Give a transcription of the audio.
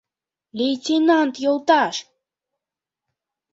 Лейтенант йолташ!..